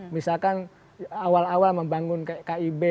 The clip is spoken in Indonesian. misalkan awal awal membangun kib